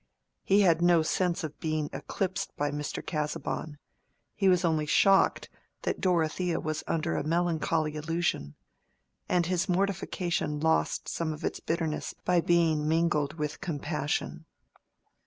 He had no sense of being eclipsed by Mr. Casaubon; he was only shocked that Dorothea was under a melancholy illusion, and his mortification lost some of its bitterness by being mingled with compassion.